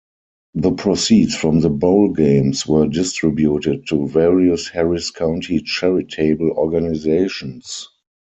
The proceeds from the bowl games were distributed to various Harris County charitable organizations.